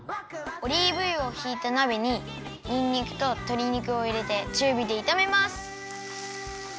オリーブ油をひいたなべににんにくととり肉をいれてちゅうびでいためます。